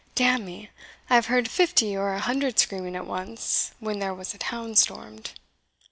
Damn me! I have heard fifty or a hundred screaming at once, when there was a town stormed."